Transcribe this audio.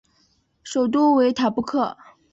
首府为塔布克。